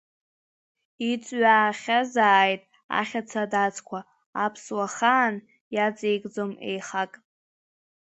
Иҵҩаахьазааит ахьаца адацқәа, аԥсуа ахаан иаҵеикӡом еихак.